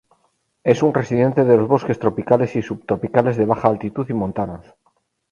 Es un residente de los bosques tropicales y subtropicales de baja altitud y montanos.